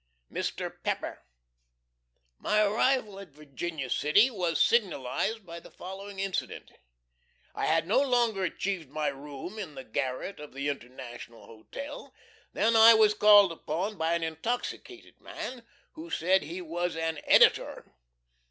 4.6. MR. PEPPER. My arrival at Virginia City was signalized by the following incident: I had no sooner achieved my room in the garret of the International Hotel than I was called upon by an intoxicated man who said he was an Editor.